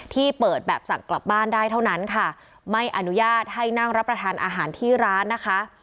ที่เปิดแบบสั่งกลับบ้านได้เท่านั้นค่ะไม่อนุญาตให้นั่งรับประทานอาหารที่ร้านนะคะ